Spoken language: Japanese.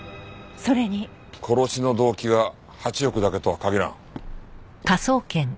殺しの動機が８億だけとは限らん。